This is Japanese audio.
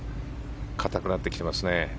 硬くなってきてますね。